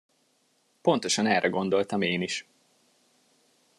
Pontosan erre gondoltam én is.